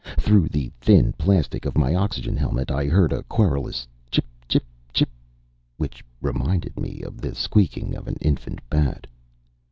Through the thin plastic of my oxygen helmet, I heard a querulous "chip chip chip," which reminded me of the squeaking of an infant bat.